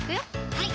はい